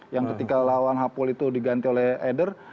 yang ketika lawan hapol itu diganti oleh eder